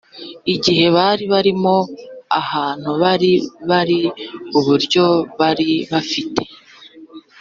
Igihe bari barimo, ahantu bari bari, uburyo bari bafite,